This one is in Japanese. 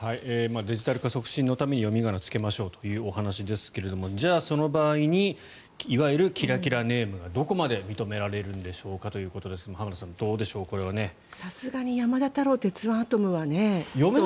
デジタル化促進のために読み仮名をつけましょうというお話ですがじゃあ、その場合にいわゆるキラキラネームはどこまで認められるんでしょうかということですがさすがに「山田太郎」で「てつわんあとむ」はね。